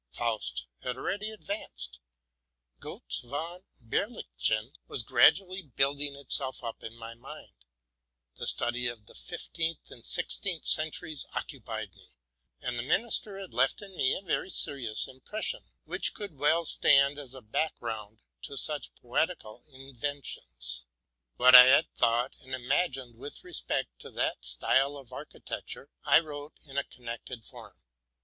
'' Faust'' had already advanced ;' Gotz von Berlichingen'' was gradually building itself up in my mind; the studies of the fifteenth and sixteenth centuries occupied me; and the minster had left in me a very serious impression, which could well stand as a background to such poetical inventions. What I had thought and imagined with respect to that style of architecture, I wrote in a connected form.